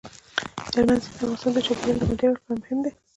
هلمند سیند د افغانستان د چاپیریال د مدیریت لپاره مهم دي.